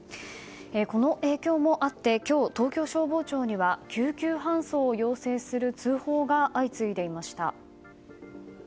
この影響もあって今日、東京消防庁には救急搬送を要請する通報が相次いでいました。